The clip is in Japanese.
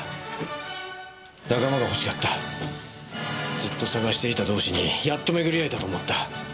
ずっと探していた同志にやっと巡り会えたと思った。